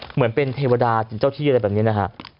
เหมือนเป็นเทวดากินเจ้าที่อะไรแบบนี้นะฮะ